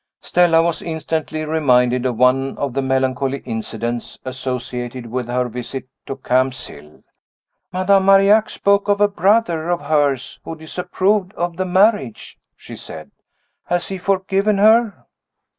Stella was instantly reminded of one of the melancholy incidents associated with her visit to Camp's Hill. "Madame Marillac spoke of a brother of hers who disapproved of the marriage," she said. "Has he forgiven her?"